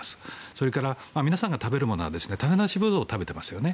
それから皆さんが食べるものは種無しブドウを食べていますよね